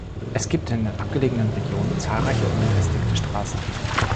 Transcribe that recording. Es gibt in den abgelegenen Regionen zahlreiche unbefestigte Straßen.